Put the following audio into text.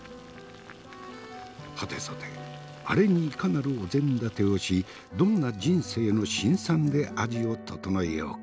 はてさてアレにいかなるお膳立てをしどんな人生の辛酸で味を調えようか。